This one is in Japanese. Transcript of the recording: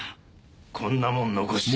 こんなもん残して。